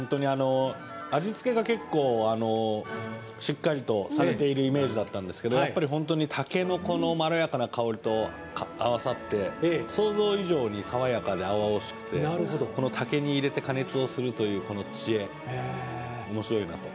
味付けが結構しっかりとされているイメージだったんですけど本当にタケノコのまろやかな香りと合わさって、想像以上に爽やかで青々しくてこの竹に入れて加熱をするという知恵おもしろいなと。